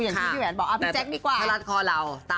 อย่างที่พี่แหวนบอกพี่แจ๊คดีกว่าไม่รัดคอเรา